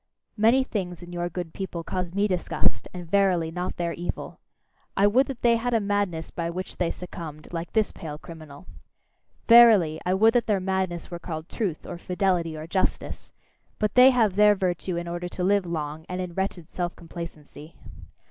Many things in your good people cause me disgust, and verily, not their evil. I would that they had a madness by which they succumbed, like this pale criminal! Verily, I would that their madness were called truth, or fidelity, or justice: but they have their virtue in order to live long, and in wretched self complacency.